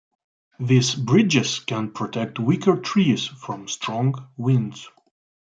These bridges can protect weaker trees from strong winds.